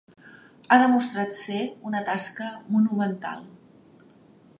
Ha demostrat ser una tasca monumental.